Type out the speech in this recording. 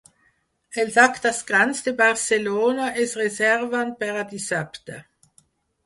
Els actes grans de Barcelona es reserven per a dissabte.